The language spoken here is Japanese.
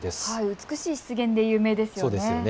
美しい湿原で有名ですよね。